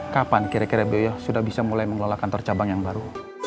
kapan kira kira bio sudah bisa mulai mengelola kantor cabang yang baru